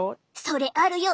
それあるよ！